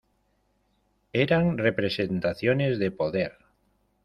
Eran representaciones de poder.